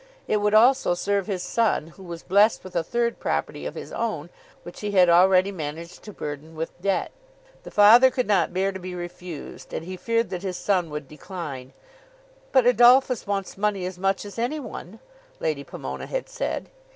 It would also serve his son, who was blessed with a third property of his own which he had already managed to burden with debt. The father could not bear to be refused; and he feared that his son would decline. "But Adolphus wants money as much as any one," Lady Pomona had said.